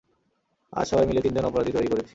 আজ সবাই মিলে তিনজন অপরাধী তৈরি করেছি।